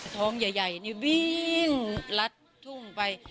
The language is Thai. ท้องใหญ่รัดถุงไป